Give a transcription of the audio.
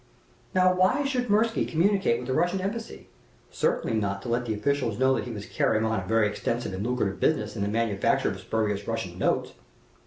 Now, why should Mirsky communicate with the Russian Embassy? Certainly not to let the officials know that he was carrying on a very extensive and lucrative business in the manufacture of spurious Russian notes.